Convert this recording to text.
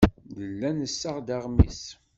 Nella nessaɣ-d aɣmis.